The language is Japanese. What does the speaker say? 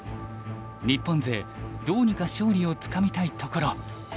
日本勢どうにか勝利をつかみたいところ。